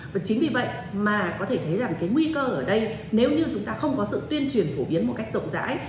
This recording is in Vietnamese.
và chính vì vậy mà có thể thấy rằng cái nguy cơ ở đây nếu như chúng ta không có sự tuyên truyền phổ biến một cách rộng rãi